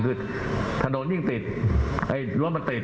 คือถนนยิ่งติดรถมันติด